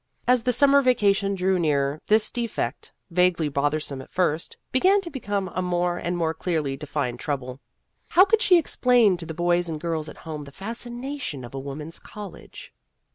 As the summer vacation drew nearer, this defect, vaguely bothersome at first, began to become a more and more clearly defined trouble. How could she explain to the boys and girls at home the fascina tions of a woman's college